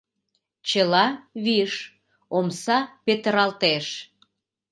Чыла виш, омса петыралтеш.